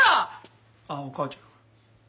あっお母ちゃん。